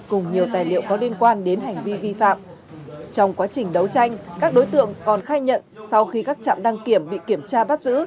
cùng nhiều tài liệu có liên quan đến hành vi vi phạm trong quá trình đấu tranh các đối tượng còn khai nhận sau khi các trạm đăng kiểm bị kiểm tra bắt giữ